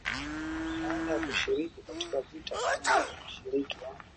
baada ya kushiriki katika vita kama mshiriki wa